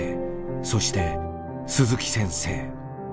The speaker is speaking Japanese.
そして鈴木先生。